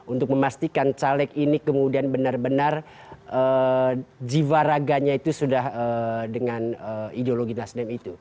untuk memastikan caleg ini kemudian benar benar jiwa raganya itu sudah dengan ideologi nasdem itu